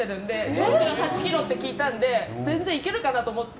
４８ｋｇって聞いたんで全然いけるかなと思って。